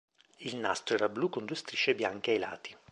Il nastro era blu con due strisce bianche ai lati.